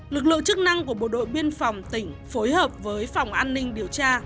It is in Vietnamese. lực lượng chức năng của bộ đội biên phòng tỉnh phối hợp với phòng an ninh điều tra